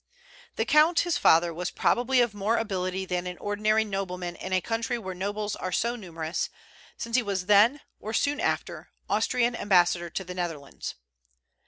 The count his father was probably of more ability than an ordinary nobleman in a country where nobles are so numerous, since he was then, or soon after, Austrian ambassador to the Netherlands.